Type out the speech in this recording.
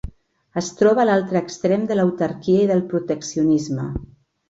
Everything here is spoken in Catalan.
Es troba a l'altre extrem de l'autarquia i del proteccionisme.